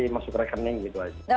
masuk rekening gitu aja